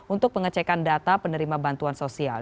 untuk pengecekan data penerima bantuan sosial